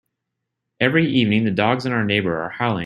Every evening, the dogs in our neighbourhood are howling.